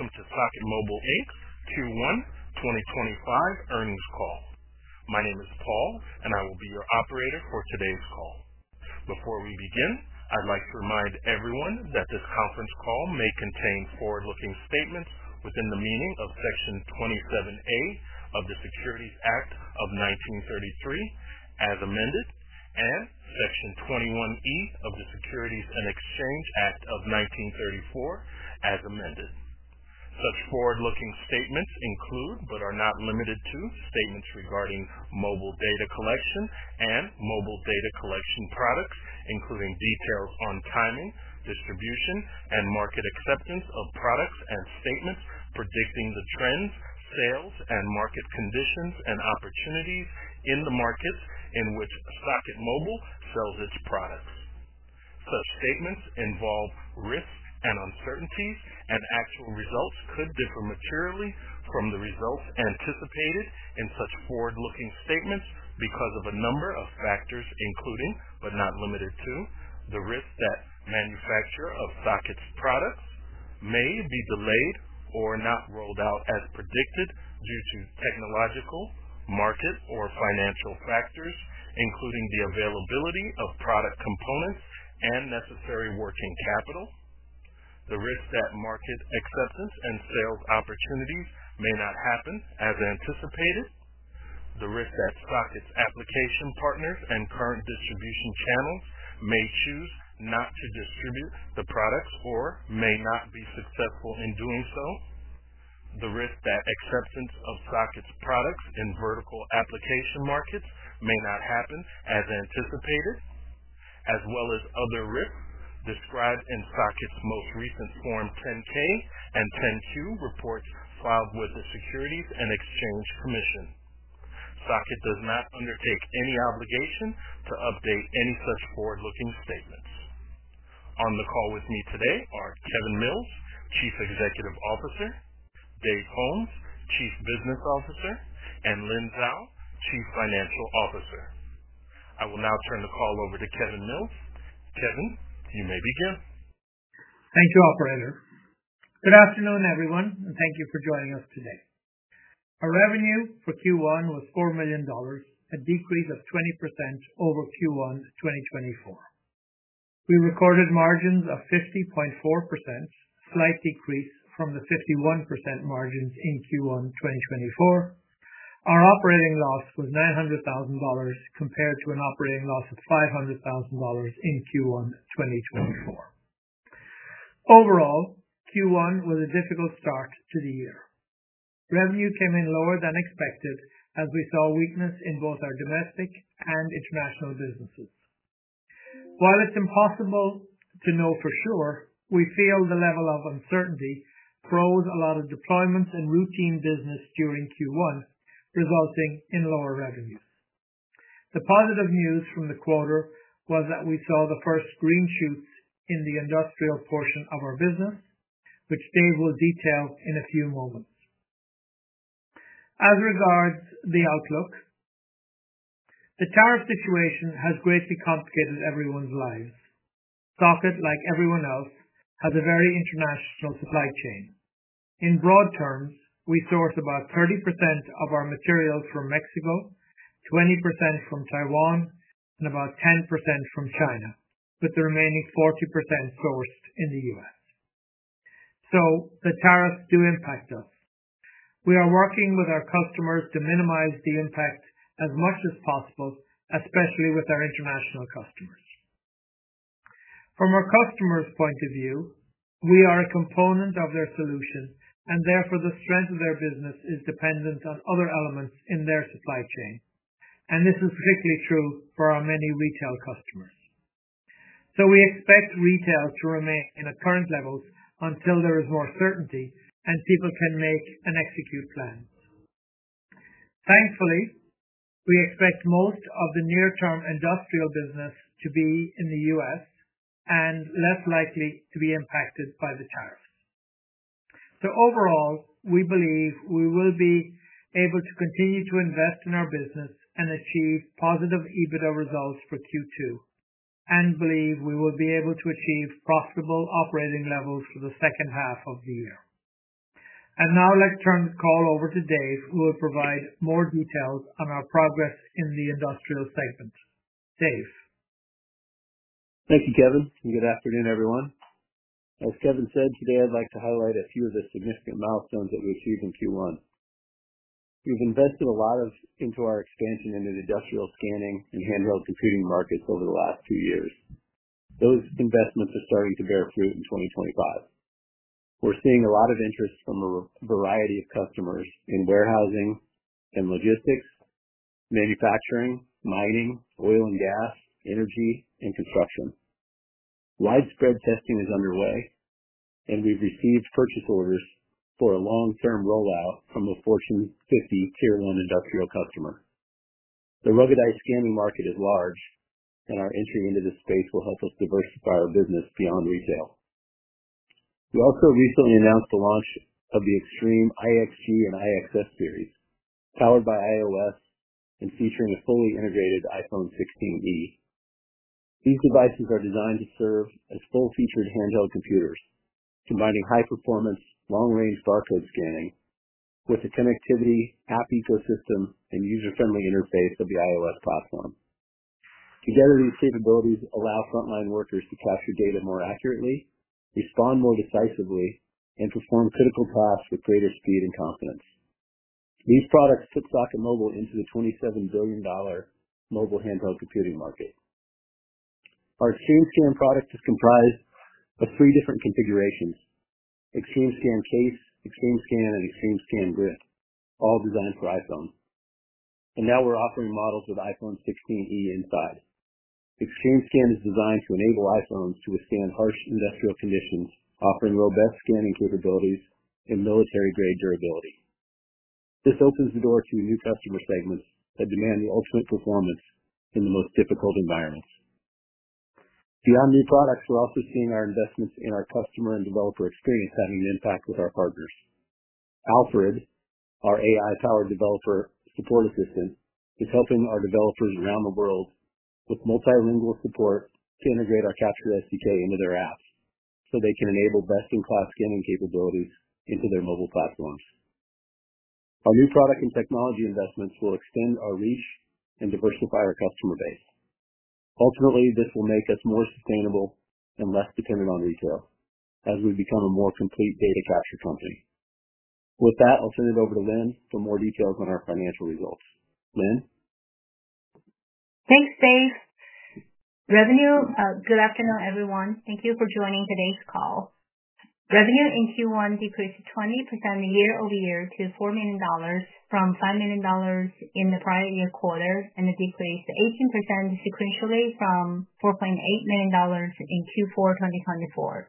Welcome to Socket Mobile Inc. Q1, 2025 earnings call. My name is Paul, and I will be your operator for today's call. Before we begin, I'd like to remind everyone that this conference call may contain forward-looking statements within the meaning of Section 27A of the Securities Act of 1933 as amended and Section 21E of the Securities and Exchange Act of 1934 as amended. Such forward-looking statements include, but are not limited to, statements regarding mobile data collection and mobile data collection products, including details on timing, distribution, and market acceptance of products and statements predicting the trends, sales, and market conditions and opportunities in the markets in which Socket Mobile sells its products. Such statements involve risks and uncertainties, and actual results could differ materially from the results anticipated in such forward-looking statements because of a number of factors, including, but not limited to, the risk that manufacturers of Socket's products may be delayed or not rolled out as predicted due to technological, market, or financial factors, including the availability of product components and necessary working capital, the risk that market acceptance and sales opportunities may not happen as anticipated, the risk that Socket's application partners and current distribution channels may choose not to distribute the products or may not be successful in doing so, the risk that acceptance of Socket's products in vertical application markets may not happen as anticipated, as well as other risks described in Socket's most recent Form 10-K and 10-Q reports filed with the Securities and Exchange Commission. Socket does not undertake any obligation to update any such forward-looking statements. On the call with me today are Kevin Mills, Chief Executive Officer, Dave Holmes, Chief Business Officer, and Lynn Zhao, Chief Financial Officer. I will now turn the call over to Kevin Mills. Kevin, you may begin. Thank you, Operator. Good afternoon, everyone, and thank you for joining us today. Our revenue for Q1 was $4 million and decreased by 20% over Q1 2024. We recorded margins of 50.4%, a slight decrease from the 51% margins in Q1 2024. Our operating loss was $900,000, compared to an operating loss of $500,000 in Q1 2024. Overall, Q1 was a difficult start to the year. Revenue came in lower than expected, as we saw weakness in both our domestic and international businesses. While it's impossible to know for sure, we feel the level of uncertainty froze a lot of deployments and routine business during Q1, resulting in lower revenues. The positive news from the quarter was that we saw the first green shoots in the industrial portion of our business, which Dave will detail in a few moments. As regards the outlook, the tariff situation has greatly complicated everyone's lives. Socket, like everyone else, has a very international supply chain. In broad terms, we source about 30% of our materials from Mexico, 20% from Taiwan, and about 10% from China, with the remaining 40% sourced in the U.S. The tariffs do impact us. We are working with our customers to minimize the impact as much as possible, especially with our international customers. From our customers' point of view, we are a component of their solution, and therefore the strength of their business is dependent on other elements in their supply chain. This is particularly true for our many retail customers. We expect retail to remain at current levels until there is more certainty and people can make and execute plans. Thankfully, we expect most of the near-term industrial business to be in the U.S. less likely to be impacted by the tariffs. Overall, we believe we will be able to continue to invest in our business and achieve positive EBITDA results for Q2, and believe we will be able to achieve profitable operating levels for the second half of the year. Now let's turn the call over to Dave, who will provide more details on our progress in the industrial segment. Dave. Thank you, Kevin. Good afternoon, everyone. As Kevin said, today I'd like to highlight a few of the significant milestones that we achieved in Q1. We've invested a lot into our expansion into industrial scanning and handheld computing markets over the last two years. Those investments are starting to bear fruit in 2025. We're seeing a lot of interest from a variety of customers in warehousing and logistics, manufacturing, mining, oil and gas, energy, and construction. Widespread testing is underway, and we've received purchase orders for a long-term rollout from a Fortune 50 Tier 1 industrial customer. The ruggedized scanning market is large, and our entry into this space will help us diversify our business beyond retail. We also recently announced the launch of the Xtreme IXG and IXS series, powered by iOS and featuring a fully integrated iPhone 16e. These devices are designed to serve as full-featured handheld computers, combining high-performance, long-range barcode scanning with the connectivity, app ecosystem, and user-friendly interface of the iOS platform. Together, these capabilities allow frontline workers to collect the data more accurately, respond more decisively, and perform critical tasks with greater speed and confidence. These products kick Socket Mobile into the $27 billion mobile handheld computing market. Our XtremeScan product is comprised of three different configurations: XtremeScan Face, XtremeScan, and XtremeScan Grip, all designed for iPhone. Now we are offering models with iPhone 16e inside. XtremeScan is designed to enable iPhones to withstand harsh industrial conditions, offering robust scanning capabilities and military-grade durability. This opens the door to a new customer segment that demands ultimate performance in the most difficult environments. Beyond new products, we're also seeing our investments in our Customer and Developer Experience having an impact with our partners. [Alfred], our AI-powered developer support assistant, is helping our developers around the world with multilingual support to integrate our Capture SDK into their apps so they can enable best-in-class scanning capabilities into their mobile platforms. Our new product and technology investments will extend our reach and diversify our customer base. Ultimately, this will make us more sustainable and less dependent on retail as we become a more complete data capture company. With that, I'll turn it over to Lynn for more details on our financial results. Lynn. Thanks, Dave. Revenue, good afternoon, everyone. Thank you for joining today's call. Revenue in Q1 decreased 20% year over year to $4 million from $5 million in the prior year quarter, and it decreased 18% sequentially from $4.8 million in Q4 2024.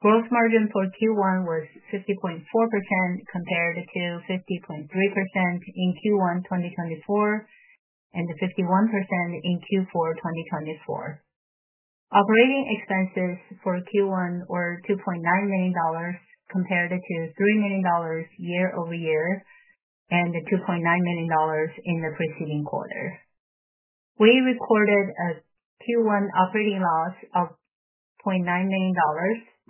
Gross margin for Q1 was 50.4% compared to 50.3% in Q1 2024 and 51% in Q4 2024. Operating expenses for Q1 were $2.9 million compared to $3 million year over year and $2.9 million in the preceding quarter. We recorded a Q1 operating loss of $0.9 million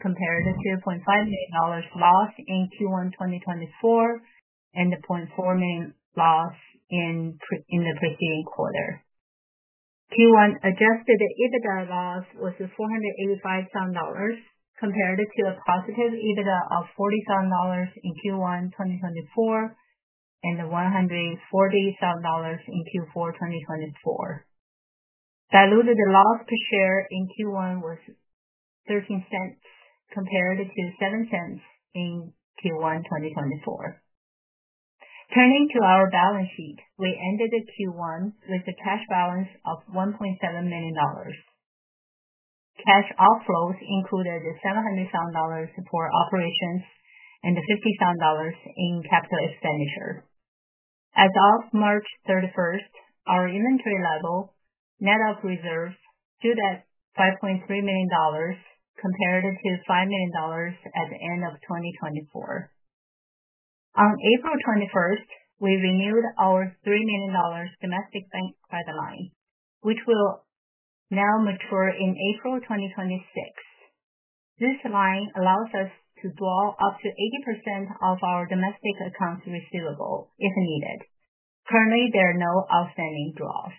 compared to a $0.5 million loss in Q1 2024 and a $0.4 million loss in the preceding quarter. Q1 Adjusted EBITDA loss was $485,000 compared to a positive EBITDA of $40,000 in Q1 2024 and $140,000 in Q4 2024. Diluted loss per share in Q1 was $0.13 compared to $0.07 in Q1 2024. Turning to our balance sheet, we ended Q1 with a cash balance of $1.7 million. Cash outflows included the $700,000 for operations and the $50,000 in capital expenditure. As of March 31st, our inventory level, net of reserves, stood at $5.3 million compared to $5 million at the end of 2024. On April 21st, we renewed our $3 million domestic bank credit line, which will now mature in April 2026. This line allows us to draw up to 80% of our domestic accounts receivable if needed. Currently, there are no outstanding draws.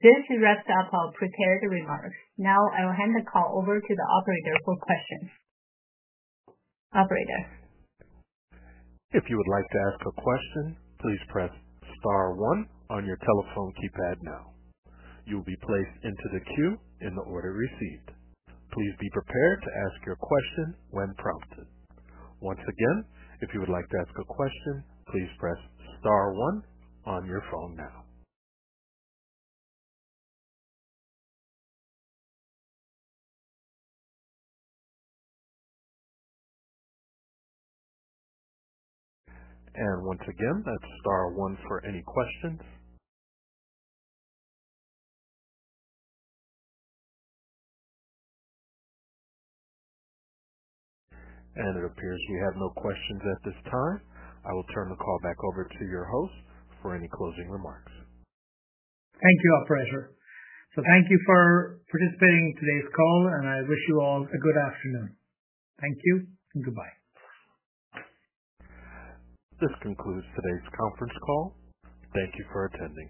This wraps up our prepared remarks. Now I will hand the call over to the operator for questions. Operator. If you would like to ask a question, please press star one on your telephone keypad now. You'll be placed into the queue in the order received. Please be prepared to ask your question when prompted. Once again, if you would like to ask a question, please press star one on your phone now. Once again, that's star one for any questions. It appears we have no questions at this time. I will turn the call back over to your host for any closing remarks. Thank you, Operator. Thank you for participating in today's call, and I wish you all a good afternoon. Thank you and goodbye. This concludes today's conference call. Thank you for attending.